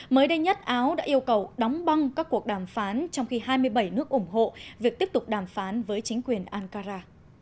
mới đây nhất áo đã yêu cầu đóng băng các cuộc đàm phán trong khi hai mươi bảy nước ủng hộ việc tiếp tục đàm phán với chính quyền ankara